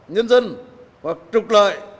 nhân dân hoặc trục lợi